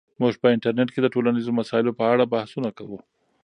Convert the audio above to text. موږ په انټرنیټ کې د ټولنیزو مسایلو په اړه بحثونه کوو.